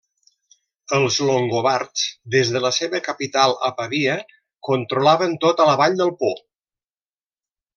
Els longobards, des de la seva capital a Pavia controlaven tota la vall del Po.